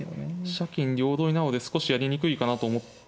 飛車金両取りなので少しやりにくいかなと思って。